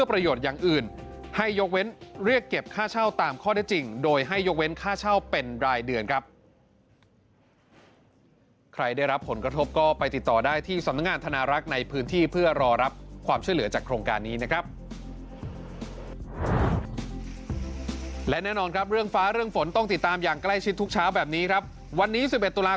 เรียกเก็บค่าเช่าตามข้อได้จริงโดยให้ยกเว้นค่าเช่าเป็นรายเดือนครับใครได้รับผลกระทบก็ไปติดต่อได้ที่สำนักงานธนารักษ์ในพื้นที่เพื่อรอรับความช่วยเหลือจากโครงการนี้นะครับและแน่นอนครับเรื่องฟ้าเรื่องฝนต้องติดตามอย่างใกล้ชิดทุกเช้าแบบนี้ครับวันนี้๑๑ตุลาค